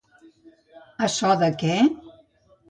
A so de què?